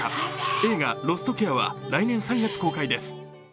映画「ロストケア」は来年３月公開です。